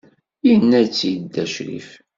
Yenna-tt-id dda Ccrif.